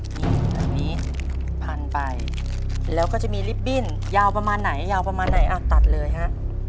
นี่แบบนี้พันไปแล้วก็จะมีลิปบิ้นยาวประมาณไหนอ่ะตัดเลยฮะ